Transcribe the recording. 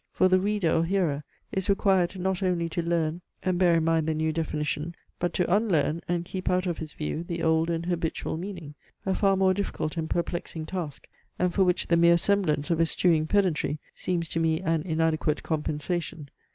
For the reader, or hearer, is required not only to learn and bear in mind the new definition; but to unlearn, and keep out of his view, the old and habitual meaning; a far more difficult and perplexing task, and for which the mere semblance of eschewing pedantry seems to me an inadequate compensation.